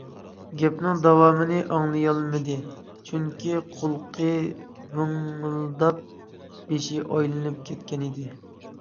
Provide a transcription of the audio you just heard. گەپنىڭ داۋامىنى ئاڭلىيالمىدى، چۈنكى قۇلىقى ۋىڭىلداپ، بېشى ئايلىنىپ كەتكەنىدى.